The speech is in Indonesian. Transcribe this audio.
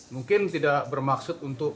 mungkin tidak bermaksud untuk